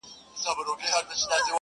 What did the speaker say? • چي د آس پر ځای چا خر وي درولی ,